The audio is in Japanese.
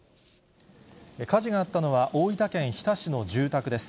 火事があったのは、大分県日田市の住宅です。